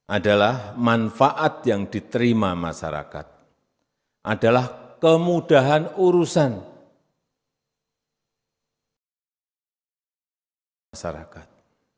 adalah manfaat yang diterima masyarakat adalah kemudahan urusan masyarakat